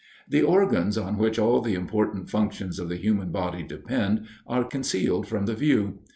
The organs on which all the important functions of the human body depend, are concealed from the view.